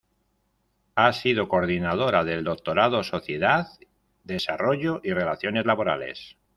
Ha sido Coordinadora del Doctorado Sociedad, Desarrollo y Relaciones Laborales.